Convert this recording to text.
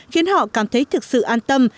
khiến họ cảm thấy thực sự an tâm